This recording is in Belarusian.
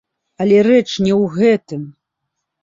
Але рэч не ў гэтым!